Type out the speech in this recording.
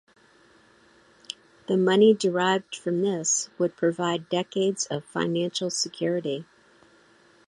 The money derived from this would provide decades of financial security.